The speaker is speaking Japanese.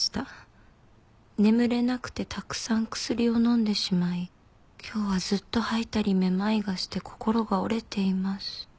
「眠れなくてたくさん薬を飲んでしまい今日はずっと吐いたりめまいがして心が折れています」